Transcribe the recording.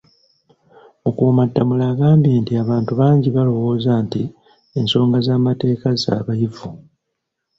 Mukuumaddamula agambye nti abantu bangi balowooza nti ensonga z'amateeka z'abayivu